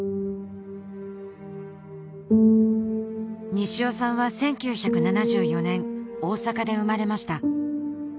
西尾さんは１９７４年大阪で生まれました